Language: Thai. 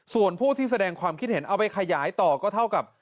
ส่วนผู้ที่แสดงความคิดเห็นเอาไปขยายต่อก็เท่ากับ